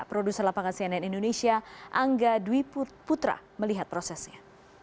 produser lapangan cnn indonesia angga dwi putra melihat prosesnya